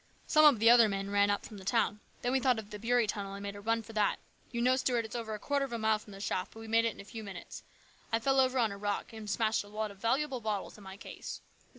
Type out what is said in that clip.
Some of the other men ran up from the town. Then we thought of the Beury tunnel and made a run for that. You know, Stuart, it's over a quarter of a mile from the shaft, but we made it in a few minutes. I fell over on a rock and smashed a lot of valuable bottles in my case.